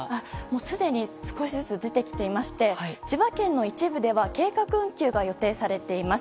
すでに少しずつ出てきていまして千葉県の一部では計画運休が予定されています。